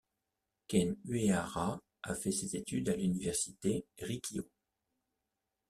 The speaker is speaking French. Ken Uehara a fait ses études à l'université Rikkyō.